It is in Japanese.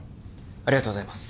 ありがとうございます。